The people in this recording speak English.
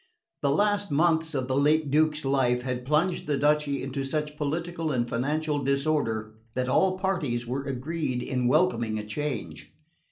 The last months of the late Duke's life had plunged the duchy into such political and financial disorder that all parties were agreed in welcoming a change.